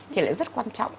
thì lại rất quan trọng